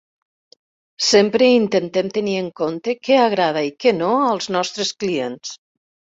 Sempre intentem tenir en compte què agrada i què no als nostres clients.